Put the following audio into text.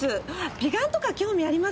美顔とか興味あります？